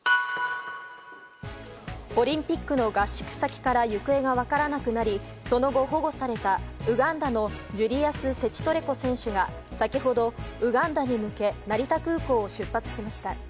オリンピックの合宿先から行方が分からなくなりその後、保護されたウガンダのジュリアス・セチトレコ選手が先ほどウガンダに向け成田空港を出発しました。